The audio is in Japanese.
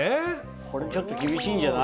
これちょっと厳しいんじゃない？